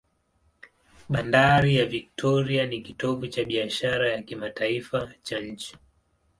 Bandari ya Victoria ni kitovu cha biashara ya kimataifa cha nchi.